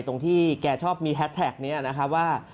ตรงที่แกชอบมีแฮสแท็กนี้นะครับว่า